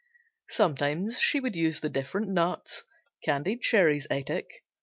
Sometimes she would use the different nuts, candied cherries, etc.